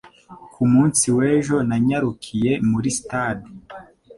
Ku munsi w'ejo nanyarukiye muri stade